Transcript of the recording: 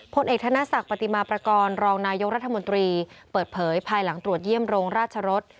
ผลเอกธนศักดิ์ปฏิมาประกอบรองนายกรัฐมนตรีเปิดเผยภายหลังตรวจเยี่ยมโรงราชรส